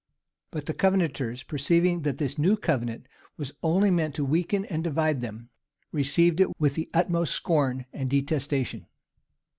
[*] But the Covenanters, perceiving that this new covenant was only meant to weaken and divide them, received it with the utmost scorn and detestation.